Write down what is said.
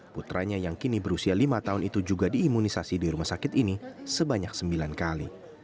putranya yang kini berusia lima tahun itu juga diimunisasi di rumah sakit ini sebanyak sembilan kali